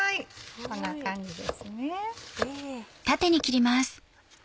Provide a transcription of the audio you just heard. こんな感じですね。